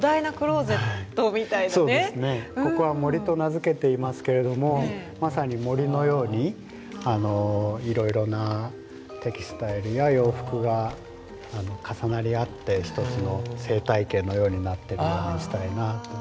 ここは「森」と名付けていますけれどもまさに森のようにいろいろなテキスタイルや洋服が重なり合って一つの生態系のようになっているようにしたいなぁと。